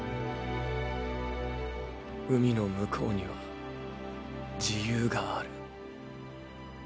海の向こうには自由がある。